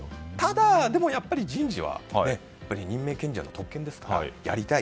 ただ、やっぱり人事は任命権者のは特権ですからやりたい。